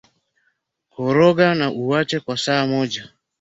Koroga na uache kwa saa moja